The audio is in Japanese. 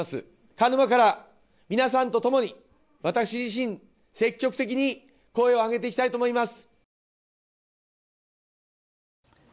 鹿沼から皆さんとともに私自身、積極的に声を上げていきたいと思います。